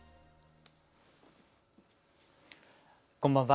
こんばんは。